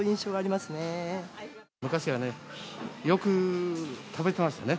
昔はね、よく食べてましたね。